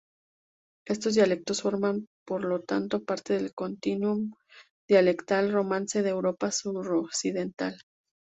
Estos dialectos forman por lo tanto parte del continuum dialectal romance de Europa suroccidental.